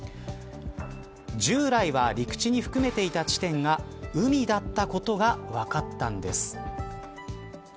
従来は陸地に含めていた地点が海だったことが分かったんです。